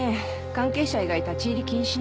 関係者以外立ち入り禁止なの。